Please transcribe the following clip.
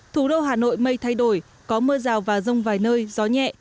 thủ đô hà nội mây thay đổi có mưa rào và rông vài nơi gió nhẹ